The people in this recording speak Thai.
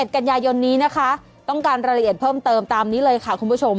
กันยายนนี้นะคะต้องการรายละเอียดเพิ่มเติมตามนี้เลยค่ะคุณผู้ชม